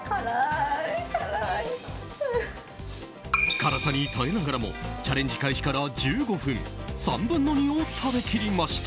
辛さに耐えながらもチャレンジ開始から１５分３分の２を食べきりました。